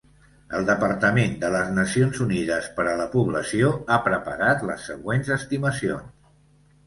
El Departament de les Nacions Unides per a la Població ha preparat les següents estimacions.